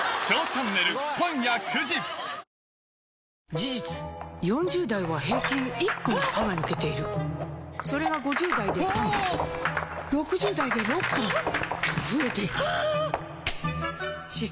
事実４０代は平均１本歯が抜けているそれが５０代で３本６０代で６本と増えていく歯槽